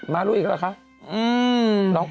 มารู้อีกแล้วเหรอคะ